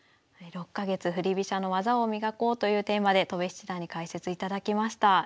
６か月「振り飛車の技を磨こう！」というテーマで戸辺七段に解説いただきました。